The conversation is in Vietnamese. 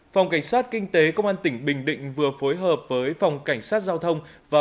phòng cảnh sát kinh tế công an tỉnh bình định vừa phối hợp với phòng cảnh sát giao thông và